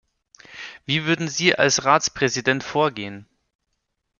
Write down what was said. Wie würden Sie als Ratspräsident vorgehen?